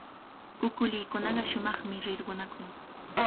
Kukulikunaqa shumaqmi rirqunakun.